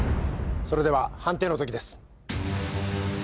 それでは判定の刻です。